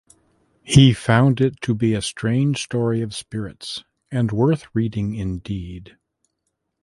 He found it to be "a strange story of spirits and worth reading indeed".